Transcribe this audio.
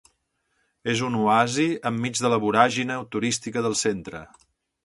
És un oasi enmig de la voràgine turística del centre.